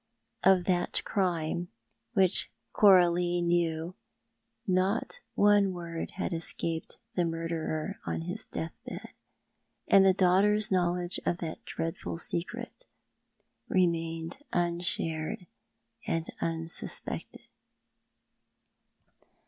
Of that crime, which Coralie knew, not one word had escaped the murderer on his death bed; and the daughter's knowledge of that dreadful secret remained unshared and unsuspected.